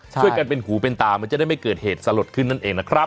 ช่วยกันเป็นหูเป็นตามันจะได้ไม่เกิดเหตุสลดขึ้นนั่นเองนะครับ